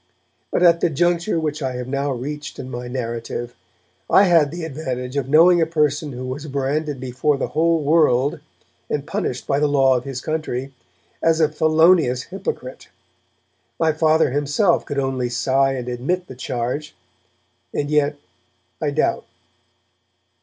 But at the juncture which I have now reached in my narrative, I had the advantage of knowing a person who was branded before the whole world, and punished by the law of his country, as a felonious hypocrite. My Father himself could only sigh and admit the charge. And yet I doubt.